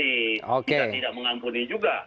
kita tidak mengampuni juga